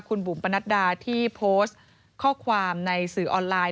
คุณบุ๋มปนัดดาที่โพสต์ข้อความในสื่อออนไลน์